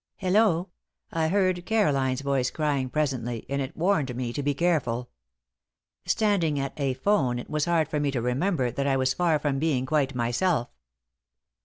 "Hello!" I heard Caroline's voice crying presently, and it warned me to be careful. Standing at a 'phone it was hard for me to remember that I was far from being quite myself.